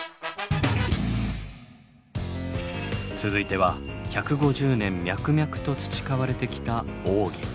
続いては１５０年脈々と培われてきた奥義。